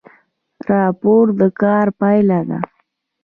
راپور د کار پایله ده